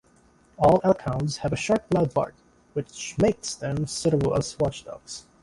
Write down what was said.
All Elkhounds have a sharp loud bark which makes them suitable as watchdogs.